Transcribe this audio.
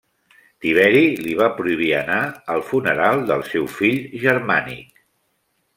Tiberi li va prohibir anar al funeral del seu fill Germànic.